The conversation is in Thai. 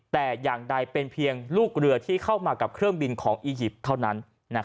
แต่อย่างใดเป็นเพียงลูกเรือที่เข้ามากับเครื่องบินของอียิปต์เท่านั้น